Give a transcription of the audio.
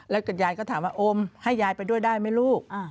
แล้วยายก็ถามว่าโอมให้ยายไปด้วยได้ไหมลูก